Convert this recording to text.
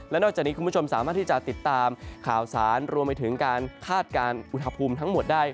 และนอกจากนี้คุณผู้ชมสามารถที่จะติดตามข่าวสารรวมไปถึงการคาดการณ์อุณหภูมิทั้งหมดได้